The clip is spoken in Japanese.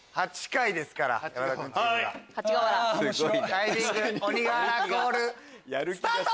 タイミング鬼瓦コールスタート！